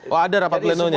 oh ada rapat plenonya ya